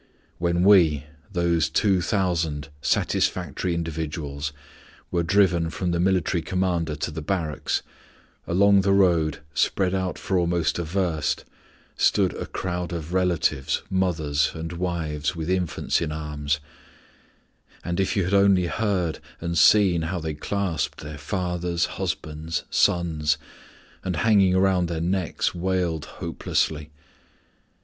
When we, these two thousand satisfactory individuals, were driven from the military commander to the barracks, along the road spread out for almost a verst stood a crowd of relatives, mothers, and wives with infants in arms; and if you had only heard and seen how they clasped their fathers, husbands, sons, and hanging round their necks wailed hopelessly!